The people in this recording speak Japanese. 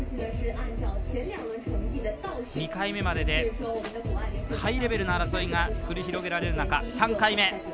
２回目まででハイレベルな争いが繰り広げられる中、３回目。